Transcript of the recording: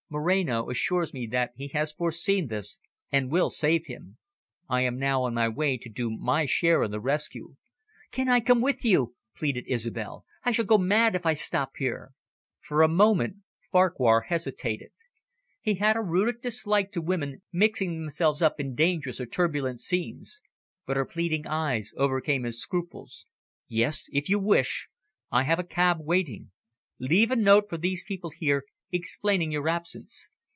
Moreno assures me that he has foreseen this, and will save him. I am now on my way to do my share in the rescue." "Can I come with you?" pleaded Isobel. "I shall go mad if I stop here." For a moment Farquhar hesitated. He had a rooted dislike to women mixing themselves up in dangerous or turbulent scenes. But her pleading eyes overcame his scruples. "Yes, if you wish. I have a cab waiting. Leave a note for these people here explaining your absence.